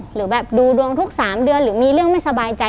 หรือแบบดูดวงทุก๓เดือนหรือมีเรื่องไม่สบายใจ